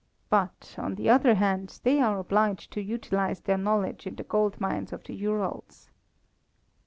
But, on the other hand, they are obliged to utilize their knowledge in the gold mines of the Urals."